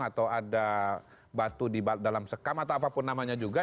atau ada batu di dalam sekam atau apapun namanya juga